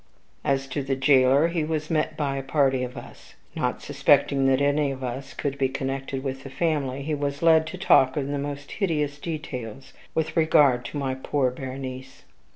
"As to the jailer, he was met by a party of us. Not suspecting that any of us could be connected with the family, he was led to talk of the most hideous details with regard to my poor Berenice.